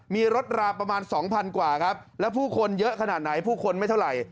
มีรถราประมาณสองพันกว่าครับแล้วผู้คนเยอะขนาดไหนผู้คนไม่เท่าไหร่